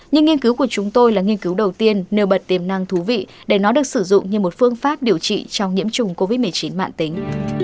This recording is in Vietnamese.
nhưng nghiên cứu của chúng tôi là nghiên cứu đầu tiên nêu bật tiềm năng thú vị để nó được sử dụng như một phương pháp điều trị trong nhiễm trùng covid một mươi chín mạng tính